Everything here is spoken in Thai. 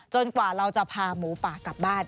กว่าเราจะพาหมูป่ากลับบ้าน